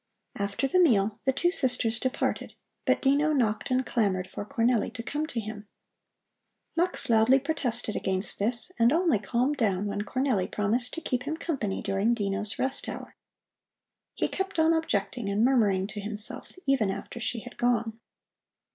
After the meal the two sisters departed, but Dino knocked and clamored for Cornelli to come to him. Mux loudly protested against this and only calmed down when Cornelli promised to keep him company during Dino's rest hour. He kept on objecting and murmuring to himself even after she had gone.